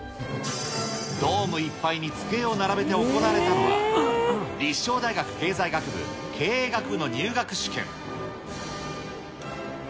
ドームいっぱいに机を並べて行われたのは、立正大学経済学部、経営学部の入学試験。